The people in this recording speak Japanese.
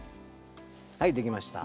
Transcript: はいできました。